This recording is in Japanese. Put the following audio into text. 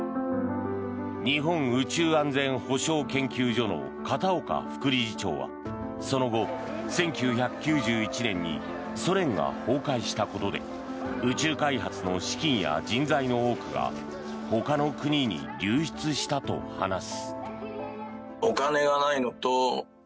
日本宇宙安全保障研究所の片岡副理事長はその後、１９９１年にソ連が崩壊したことで宇宙開発の資金や人材の多くがほかの国に流出したと話す。